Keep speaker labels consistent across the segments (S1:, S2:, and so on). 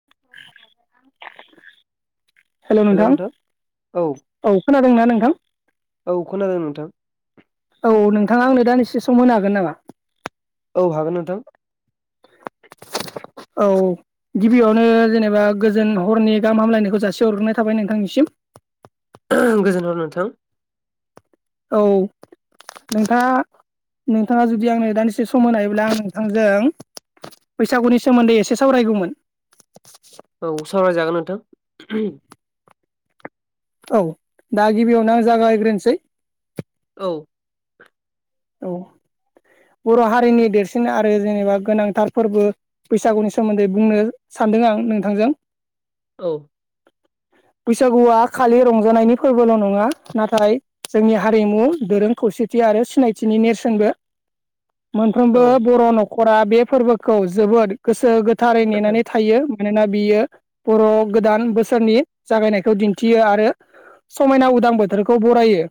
S1: [inaudible]
S2: हेल' नोंथां
S1: औ
S2: औ खोनादोंना नोंथां?
S1: औ खोनादों नोंथां।
S2: औ नोंथांङा आंनो दानसे सम होनो हागोन नामा?
S1: औ होगोन नोंथां।
S2: [inaudible] औ गिबियावनो जेनेबा गोजोन हरनि गाहाम हामलायनायखौ जासे हरग्रोनाय थाबाय नोंथांनिसिम। [inaudible]
S1: गोजोनथों नोंथां
S2: औ नोंथाङा नोंथाङा जुदि आंनो दानदिसे सम होनो हायोब्ला आं नोंथांजों बैसागुनि सोमोन्दै एसे सावरायगौमोन।
S1: औ सावरायजागोन नोंथां।
S2: औ दा गिबियावनो आं जागायग्रोनोसै
S1: औ
S2: औ बर' हारिनि देरसिन आरो जेनेबा गोनांथार फोरबो बैसागुनि सोमोन्दै बुंनो सान सानदों आं नोंथांजों।
S1: औ
S2: बैसागुआ खालि रंजानायनि फोरबोल' नङा नाथाय जोंनि हारिमु दोरों खौसे थि आरो सिनायथिनि नेरसोनबो
S1: औ
S2: मोनफ्रोमबो बर' न' खरा बे फोरबोखौ जोबोद गोसो गोथारै नेनानै थायो। मानोना बियो बर' गोदान बोसोरनि जागायनायखौ दिन्थियो आरो समायना उदां बोथोरखौ बरायो।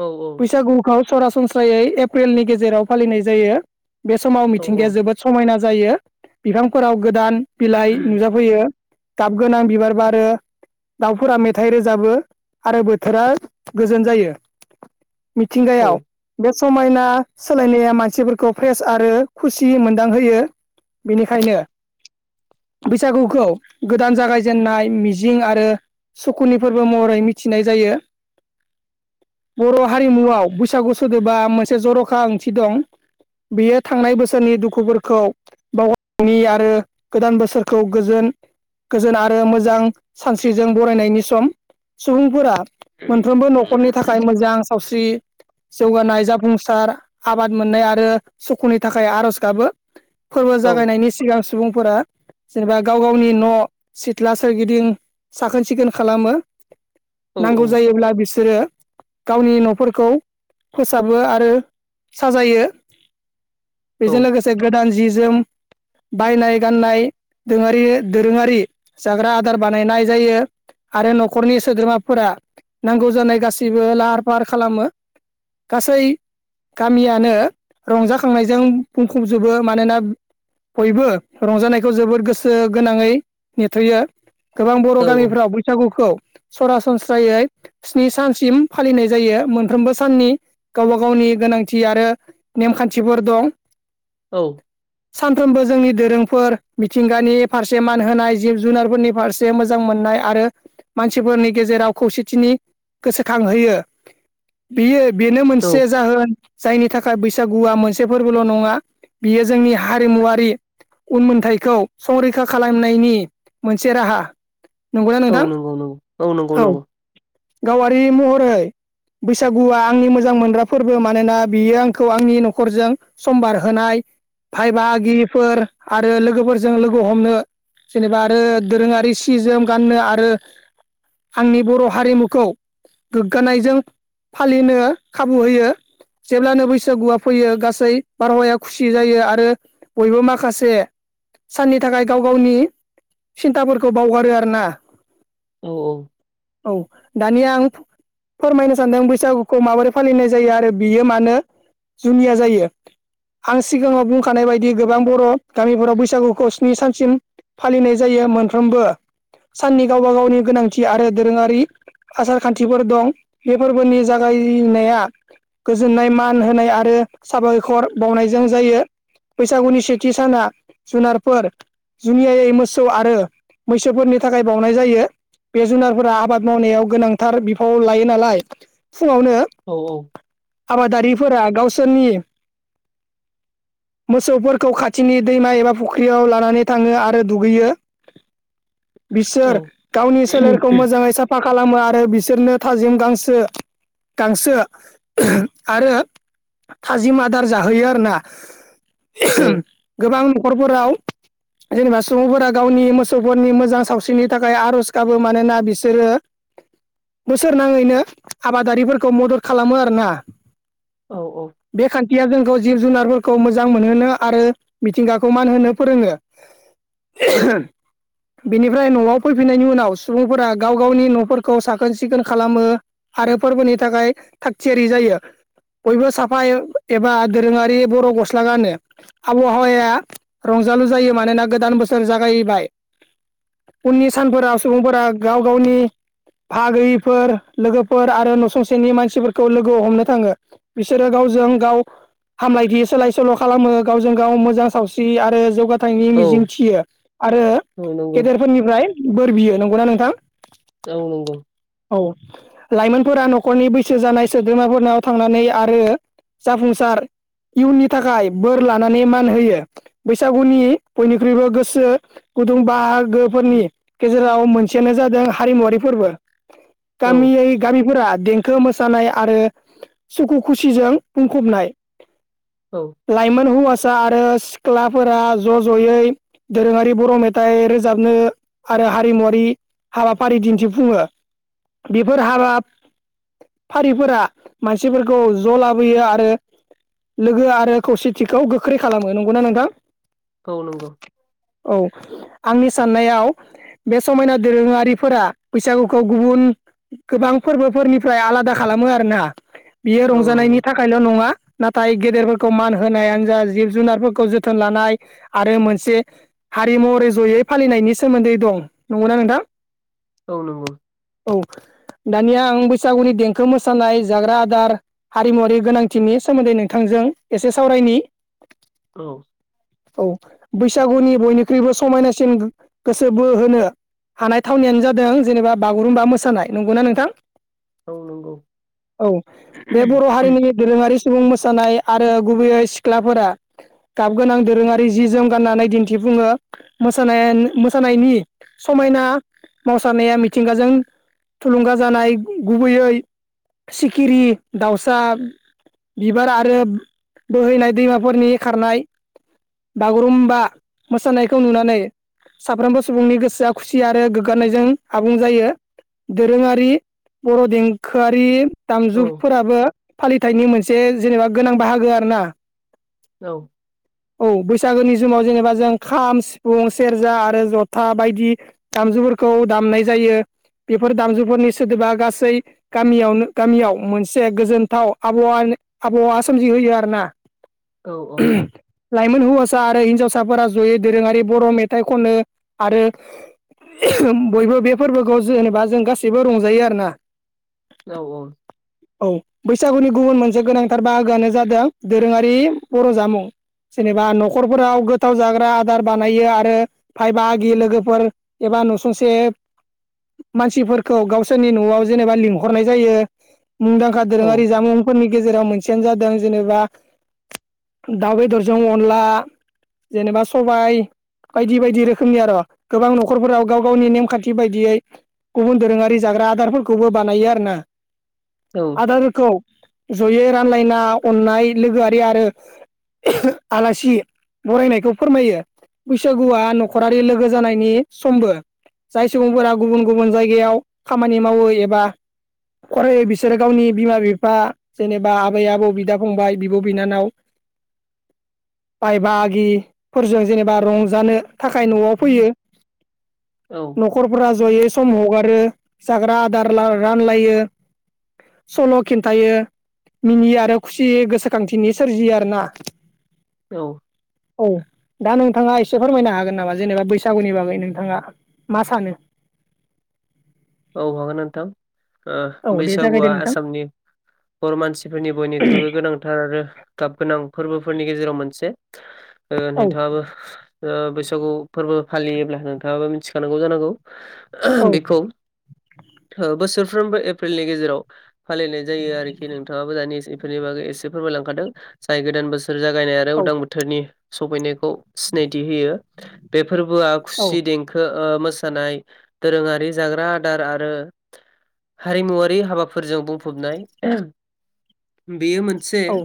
S1: औ
S2: बैसागुखौ सरासनस्रायै एप्रिलनि गेजेराव फालिनाय जायो। बे समाव
S1: औ
S2: मिथिंगाया जोबोद समायना जायो बिफांफोराव गोदान बिलाइ नुजाफैयो। गाब गोनां बिबार बारो दाउफोरा मेथाइ रोजाबो आरो बोथोरा गोजोन जायो।
S1: औ
S2: मिथिंगायाव बे समायना सोलायनाया मानसिफोरखौ फ्रेस आरो खुसि मोनदांहोयो। बेनिखायनो बैसागुखौ गोदान जागायजेननाय मिजिं आरो सुखुनि फोरबो महरै मिथिनाय जायो बर' हारिमुआव बैसागु सोदोबा मोनसे जर'खा ओंथि दं बियो थांनाय बोसोरनि दुखुफोरखौ बावगारनि आरो गोदान बोसोरखौ गोजोन गोजोन आरो मोजां सानस्रिजों बरायनायनि सम। सुबुंफोरा मोनफ्रोमबो न'खरनि थाखाय मोजां सावस्रि जौगानाय जाफुंसार आबाद मोननाय आरो सुखुनि थाखाय आरज गाबो। फोरबो
S1: औ
S2: जागायनायनि सिगां सुबुंफोरा जेनेबा गाव गावनि न' सिथ्ला सोरगिदिं साखोन सिखोन खालामो नांगौ जायोब्ला बिसोरो गावनि न'फोरखौ फोसाबो आरो साजायो बेजों लोगोसे गोदान जि जोम बायनाय गाननाय दोरोङारि दोरोङारि जाग्रा आदार बानायनाय जायो। आरो न'खरनि सोद्रोमाफोरा नांगौ जानाय गासैबो लाहार फाहार खालामो गासै गामियानो रंजाखांनायजों बुंफबजोबो मानोना बयबो रंजानायखौ जोबोर गोसो गोनाङै नेथ'यो। गोबां बर' गामिफ्राव बैसागुखौ सरासनस्रायै स्नि सानसिम फालिनाय जायो मोनफ्रोमबो साननि गावबा गावनि गोनांथि आरो नेमखान्थिफोर दं।
S1: औ
S2: सानफ्रोमबो जोंनि दोरोंफोर मिथिंगानि फारसे मान होनाय जिब जुनारफोरनि फारसे मोजां मोन नाय आरो मानसिफोरनि गेजेराव खौसेथिनि गोसोखां होयो। बियो बेनो
S1: औ
S2: मोनसे जाहोन जायनि थाखाय बैसागुआ मोनसे फोरबोल' नङा बियो जोंनि हारिमुवारि उनमोन्थायखौ संरैखा खालामनायनि मोनसे राहा। नंगौना
S1: औ
S2: नोंथां
S1: नंगौ नंगौ औ नंगौ नंगौ।
S2: गावारि महरै बैसागुआ आंनि मोजां मोनग्रा फोरबो मानोना बियो आंखौ आंनि न'खरजों समबार होनाय भाय बागिफोर आरो लोगोफोरजों लोगो हमनो जेनेबा आरो दोरोङारि सि जोम गाननो आरो आंनि बर' हारिमुखौ गोग्गानायजों फालिनो खाबु होयो। जेब्लानो बैसागुआ फैयो गासै बारहावाया खुसि जायो आरो बयबो माखासे साननि थाखाय गाव गावनि सिन्थाफोरखौ बावगारो आरो ना।
S1: औ औ
S2: औ दानिया आं फोरमायनो सानदों बैसागु खौ माबोरै फालिनाय जायो आरो बियो मानो जुनिया जायो? आं सिगाङाव बुंखानाय बायदि गोबां बर' गामिफोराव बैसागुखौ स्नि सानसिम फालिनाय जायो मोनफ्रोमबो साननि गावब गावनि गोनांथि आरो दोरोङारि आसार खान्थिफोर दं बे फोरबोनि जाग गायनाया गोजोननाय मान होनाय आरो साबायखर बावनायजों जायो। बैसागुनि सेथि साना जुनारफोर जुनियायै मोसौ आरो मैसोफोरनि थाखाय बावनाय जायो। बे जुनारफोरा आबाद मावनायाव गोनांथार बिफाव लायो नालाय फुङावनो
S1: औ
S2: आबादारिफोरा गावसोरनि मोसौफोरखौ खाथिनि दैमा एबा फुख्रियाव लानानै थाङो आरो दुगैयो।
S1: औ
S2: बिसोर गावनि सोलेरखौ मोजाङै साफा खालामो आरो बिसोरनो थाजिम गांसो गांसो आरो थाजिम आदार जाहोयो आरोना गोबां न'खरफोराव जेनेबा सुबुंफोरा गावनि मोसौफोरनि मोजां सावस्रिनि थाखाय आर'ज गाबो मानोना बिसोरो बोसोर नाङैनो आबादारिफोरखौ मदद खालामो आरोना
S1: औ औ
S2: बे खान्थिया जोंखौ जिब जुनारफोरखौ मोजां मोजां मोनहोनो आरो मिथिंगाखौ मान होनो फोरोङो। बेनिफ्राय न'आव फैफिनायनि उनाव सुबुंफोरा गाव गावनि न'फोरखौ साखोन सिखोन खालामो आरो फोरबोनि थाखाय थागथियारि जायो। बयबो साफाय एबा दोरोङारि बर' गस स्ला गानो आबहावाया रंजालु जायो मानोना गोदान बोसोर जागायबाय। उननि सानफोराव सुबुंफोरा गाव गावनि फागोैयिफोर लोगोफोर आरो न'सुंसेनि मानसिफोरखौ लोगोआव हमनो थाङो बिसोरो गाव गजों गाव हामलायथि सोलाय सोल' खालामो गावजों गाव मोजां सावस्रि आरो जौ गाथायनि
S1: औ
S2: मिजिं थियो आरो
S1: औ नंगौ
S2: गेदेरफोरनिफ्राय बोर बियो नंगौना नोंथां?
S1: औ नंगौ
S2: औ लाइमोनफोरा न'खरनि बैसो जानाय सोद्रोमाफोरनाव थांनानै आरो जाफुंसार इउनिट थाखाय बोर लानानै मान होयो बैसागुनि बयनिख्रुइबो गोसो गुदुं बाहागो गोफोरनि गेजेराव मोनसेयानो जादों हारिमुवरारि फोरबो।
S1: औ
S2: गामियै गामिफोरा देंखो मोसानाय आरो सुखु खुसिजों बुंफबनाय
S1: औ
S2: लाइमोन हौवा सा आरो सिख्लाफोरा ज' ज'यै दोरोङारि बर' मेथाइ रोजाबनो आरो आरो हारिमुवरारि हाबाफारि दिन्थिफुङो बेफोर हाबा फारिफोरा मानसिफोरखौ ज' लाबोयो आरो लोगो आरो खौसेथिखौ गोख्रै खालामो नंगौना नोंथां?
S1: औ नांगौ।
S2: औ आंनि साननायाव बे समायना दोरोङारिफोरा बैसागुखौ गुबुन गोबां फोरबोफोरनिफ्राय आलादा खालामो आरोना। बियो
S1: औ
S2: रंजानायनि
S1: नंगौ
S2: थाखायल' नङा नाथाय गेदेर खौ मान होनायानो जा जिब जुनारफोरखौ जोथोन लानाय आरो मोनसे हारिमुवारि जयै फालिनायनि सोमोन्दै दं नंगौना नोंथां?
S1: औ नंगौ।
S2: औ। दानिया आं बैसागुनि देंखो मोसानाय जाग्रा आदार हारिमुवारि गोनांथिनि सोमोन्दै नोंथांजों एसे सावरायनि
S1: औ।
S2: औ बैसागुनि बयनिख्रुइबो समायनासिन गोसो बो होनो हानाय थावनियानो जादों जेनेबा बागुरुमबा मोसानाय नंगौना नोंथां।
S1: औ नंगौ
S2: औ बे बर' हारिनि दोरोङारि सुबुं मोसानाय आरो गुबैयै सिख्लाफोरा गाब गोनां दोरोङारि जि जोम गाननानै दिन्थिफुङो। मोसानाय मोसानायनि समायना मावसारानाया मिथिंगाजों थुलुंगा जानाय गुबैयै सिखिरि दाउसा बिबार आरो। बोहैनाय दैमाफोरनि खारनाय बागुरुम्बा मोसानायखौ नुनानै साफ्रोमबो सुबुंनि गोसोआ खुसि आरो गोग्गानायजों आबुं जायो। दोरोङारि बर' देंखोआरि
S1: औ
S2: दामजुफोराबो फालिथायनि मोनसे जेनेबा गोनां बाहागो आर ना।
S1: औ
S2: औ बैसागोनि। समाव जेनेबा जों खाम सिफुं सेरजा आरो जथा बायदि दामजुफोरखौ दामनाय जायो। बियो बेफोर दामजुफोरनि सोदोबा गासै गामियावनो गामियाव मोनसे गोजोनथाव आबहावानि आब आसाम होयो आरो ना।
S1: औ
S2: हिसा आरो हिनावसाफोरा जयै दोरोङारि बर' मेथाइ खनो आरो बयबो बे फोरबोखौ जेनेबा जों गासैबो रंजायो आरोना।
S1: औ
S2: औ बैसागुनि गुबुन मोनसे गोनांथार बाहागोआनो जादों दोरोङारि बर' जामुं। जेनेबा न'खरफोराव गोथाव जाग्रा आदार बानायो आरो भाय बाहागि लोगोफोर एबा नसुंसे मानसिफोरखौ गावसोरनि न'आव जेनेबा लिंहरनाय जायो। मुंदांखा
S1: औ
S2: दोरोङारि जामुंफोरनि गेजेराव मोनसेयानो जादों जेनेबा दाउ बेदरजों अनला जेनेबा सबाय बायदि बायदि रोखोमनि आरो गोबां न'खरफोरा गाव गावनि नेमखान्थि बायदियै। गुबुन दोरोङारि जाग्रा आदारफोरखौबो बानायो आरो ना।
S1: औ
S2: आदारोफोरखौ जयै रानलायना अननाय लोगोआरि आरो आलासि बरायनायखौ फोरमायो। बैसागुआ न'खरारि लोगो जानायनि समबो। जाय सुबुंफोरा गुबुन गुबुन जायगायाव खामानि मावो एबा फराय बिसोरो गावनि बिमा बिफा जेनेबा आबै आबौ बिदा फंबाय बिब' बिनानाव। बाय बागिफोरजों जेनेबा रंजानो थाखाय न'आव फैयो
S1: औ
S2: न'खरफोरा जयै सम हगारो जाग्रा आदार रानलायो। सल' खिन्थायो मिनियो आरो। खुसि गोसोखांथिनि सोरजियो आर ना।
S1: औ
S2: औ दा नोंथाङा एसे फोरमायनो हागोन नामा जेनेबा बैसागुनि बागै नोंथाङा मा सानो [unintelligible]
S1: औ हागोन नोंथां ओ
S2: औ दे जागायदो
S1: बैसागुआ
S2: नोंथां
S1: आसामनि हर मानसिफोरनि बयनिख्रुइबो गोनांथार आरो गाब गोनां फोरबोफोरनि गेजेराव मोनसे
S2: औ
S1: नोंथाङाबो बैसागु फोरबो फालियोब्ला नोंथाङाबो मिथिखानांगौ जानांगौ
S2: औ
S1: बेखौ
S2: [unintelligible]
S1: बोसोरफ्रोमबो एप्रिलनि गेजेराव फालिनाय जायो आरोखि नोंथाङाबो दानि बेफोरनि बागै एसे फोर लांखादों जाय गोदान बोसोर जागायनाय आरो
S2: औ
S1: उदां बोथोरनि सफैनो सिनायथि होयो बे फोरबोआ
S2: औ
S1: खुसि देंखो ओ- मोसानाय दोरोङारि जाग्रा दार आरो हारिमुवारि हाबाफोरजों बुंफबनाय बेयो मोनसे
S2: औ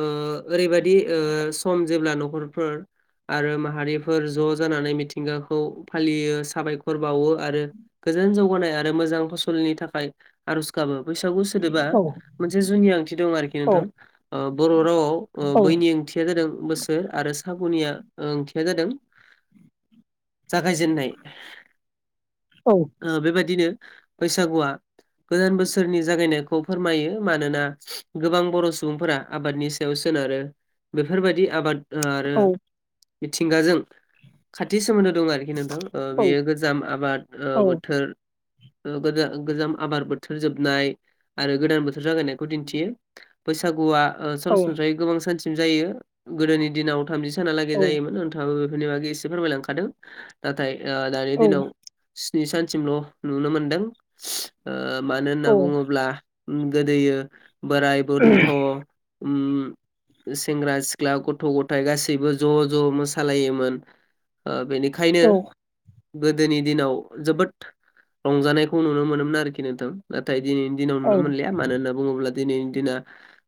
S1: ओ ओरैबायदि ओ सम जेब्ला न'खरफोर आरो माहारिफोर ज' जानानै मिथिंगाखौ फालियो साबायखर बावो आरो गोजोन जौगानाय आरो मोजां फसलनि थाखाय आर'ज गाबो बैसागु सोदोबा मोनसे जुनि ओंथि दं आरोखि
S2: औ
S1: नोंथां ओ बर' रावाव ओ
S2: औ
S1: बैनि ओंथिया जादों बोसोर आरो सागुनिया ओंथिया जादों जागायजेननाय
S2: औ
S1: ओ बेबायदिनो बैसागुआ गोदान बोसोरनि जागायनायखौ फोरमायो मानोना गोबां बर' सुबुंफोरा आबादनि सायाव सोनारो बेफोरबायदि आबाद आरो
S2: औ
S1: मिथिंगाजों खाथि सोमोन्दो दं आरोखि नोंथां ओ
S2: औ
S1: बेयो गोजाम आबाद ओ बोथोर ओ गोजा गोजाम आबाद बोथोर जोबनाय आरो गोदान बोथोर जागायनायखौ दिन्थियो बैसागुआ ओ
S2: औ
S1: सरासनस्रायै गोबां सानसिम जायो गोदोनि दिनाव थामजि साहालागै जायोमोन नोंथां बेनि बागै एसे फोरमायलांखादों नाथाय ओ दानि दिनाव स्नि सानसिमल' नुनो मोनदों। ओ मानो होनना बुङोब्ला ओम गोदोयो बोराय
S2: औ
S1: बन्थ'
S2: [unintelligible]
S1: सेंग्रा सिख्ला गथ' गथायाइ गासैबो ज' ज' मोसालायोमोन। ओ बेनिखायनो
S2: औ
S1: गोदोनि दिनाव जोबोद रंजानायखौ नुनो मोनोमोन आरोखि नोंथां नाथाय दिनैनि दिनाव नुनो मोनलिया मानो होनना बुङोब्ला दिनैनि दिना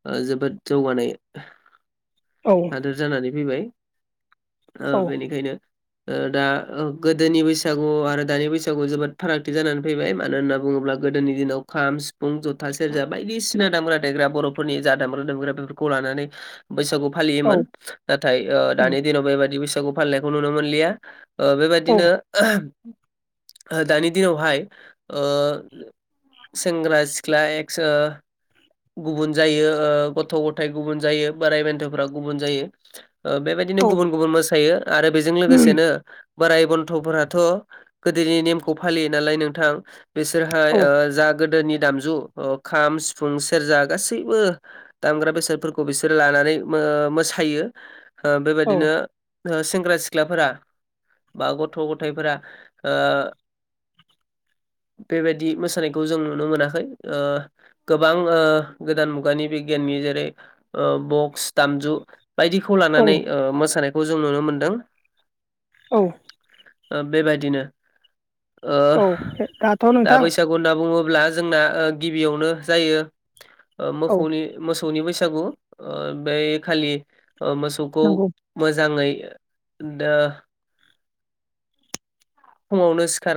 S1: ओ जोबोद जौगानाय। हादोर जानानै फैबाय। ओ बेनिखायनो ओ दा गोदोनि बैसागु आरो दानि बै बैसागु जोबोद फारागथि जानानै फैबाय मानो होनना बुङोब्ला गोदोनि दिनाव खाम सिफुं जथा सेरजा बायदिसिन दामग्रा देग्रा बर'फोरनि जा दामग्रा दुग्रा बेफोरखौ लानानै बैसागु फालियोमोन नाथाय ओ दानि दिनाव बेबायदि बैसागु फालिनायखौ नुनो मोनलिया ओ बेबायादिनो दानि दिनावहाय ओ सेंग्रा सिख्ला एस ओ गुबुन जायो ओ गथ' गथाइ गुबुन जायो बोराय बेन्थ'फ्रा गुबुन जायो। ओ बेबायदिनो गुबुन गुबुन मोसायो आरो बेजों लोगोसेनो बोराइ बन्थ'फोराथ' गोदोनि नेमखौ फालियो नालाय नोंथां बिसोरहा ओ जाग गोदोनि दामजु ओ खाम सिफुं सेरजा गासैबो दामग्रा बेसादफोरखौ बिसोर लाना नै मो- मोसायो ओ बेबायदिनो सेंग्रा सिख्लाफोरा बा गथ' गथायाइफोरा ओ
S2: [unintelligible]
S1: बेबायदि मोसानायखौ जों नुनो मोनाखै ओ गोबां ओ गोदान मुगानि बिगियाननि जेरै ओ बक्स दामजु बायदिखौ लानानै मोसानायखौ जों नुनो मोनदों।
S2: औ।
S1: ओ बेबायदिनो ओ
S2: औ दाथ'
S1: दा
S2: नोंथां
S1: बैसागु होनना बुङो ब्ला जोंना गिबियावनो जायो ओ
S2: औ
S1: मोखौनि मोसौ नि बैसागु ओ बे खालि ओ मोसौखौ
S2: नंगौ
S1: मोजाङै दा फुङावनो सिखार